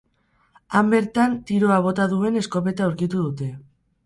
Han bertan tiroa bota duen eskopeta aurkitu dute.